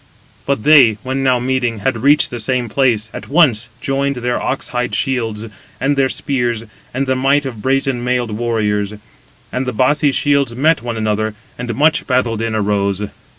But they, when now meeting, they had reached the same place, at once joined their ox hide shields, and their spears, and the might of brazen mailed warriors; and the bossy shields met one another, and much battle din arose.